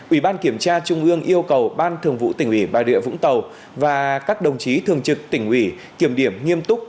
ủy ban kiểm tra trung ương yêu cầu ban thường vụ tỉnh ủy bà rịa vũng tàu và các đồng chí thường trực tỉnh ủy kiểm điểm nghiêm túc